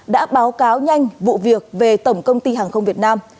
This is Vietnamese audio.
đã báo cáo nhanh vụ việc về tổng công ty hàng không việt nam